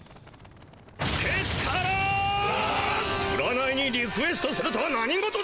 占いにリクエストするとは何事ですかな。